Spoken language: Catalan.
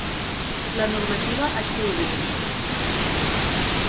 La normativa així ho diu.